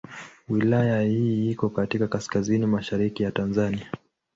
Wilaya hii iko katika kaskazini mashariki ya Tanzania.